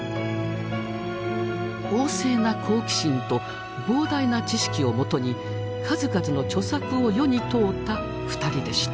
旺盛な好奇心と膨大な知識をもとに数々の著作を世に問うた２人でした。